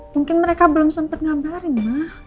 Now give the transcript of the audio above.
mungkin mereka belum sempat ngabarin mak